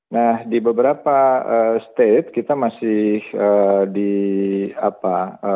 nah di beberapa state kita masih di apa